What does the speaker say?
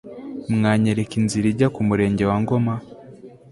mwanyereka inzira ijya ku murenge wa ngoma